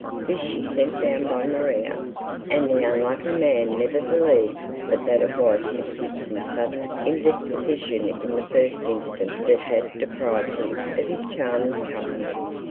This she sent down by Maria, and the unlucky man never believed but that it was Miss Gibson's sudden indisposition in the first instance that had deprived him of his charmer's company.